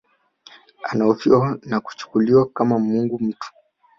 Anahofiwa na kuchukuliwa kama mungu mtu